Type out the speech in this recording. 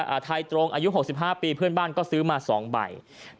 ป้าไทยตรงอายุ๖๕ปีเพื่อนบ้านก็ซื้อมา๒ใบ